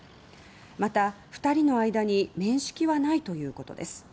また２人の間に面識はないということです。